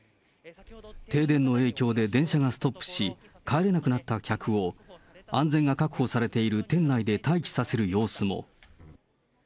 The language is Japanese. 停電の影響で、電車がストップし、帰れなくなった客を、安全が確保されている店内で待機させる様子も。